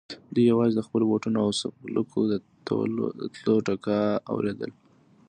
دوی يواځې د خپلو بوټونو او څپلکو د تلو ټکا اورېدله.